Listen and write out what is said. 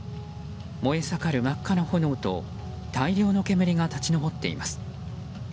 燃え盛る真っ赤な炎と大量の煙が立ち上っています。